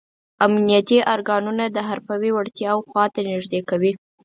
امنیتي ارګانونه د حرفوي وړتیاو خواته نه نږدې کوي.